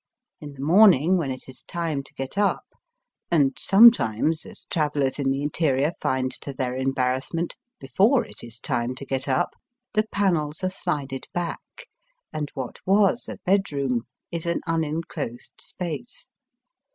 In the morning when it is time to get up — and sometimes, as travellers in the interior find to their embarrassment, before it is time to get up — the panels are slided back, and what was a bedroom is an imenclosed space.